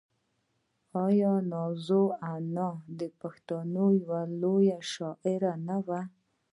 آیا نازو انا د پښتنو یوه لویه شاعره نه وه؟